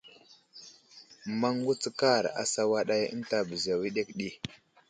Maŋ wutskar asawaday ənta bəza wəɗek ɗi.